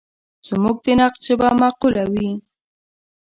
زموږ د نقد ژبه معقوله وي.